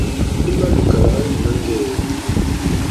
I ma likala hwa hweli nangɛ eeh?